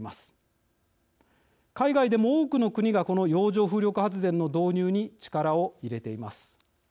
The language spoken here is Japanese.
海外でも多くの国がこの洋上風力発電の導入に力を入れています。